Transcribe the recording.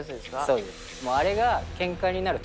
そうです。